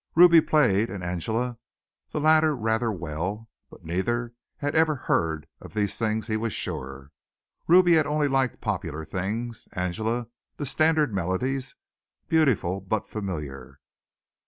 Ruby played and Angela, the latter rather well, but neither had ever heard of these things he was sure. Ruby had only liked popular things; Angela the standard melodies beautiful but familiar.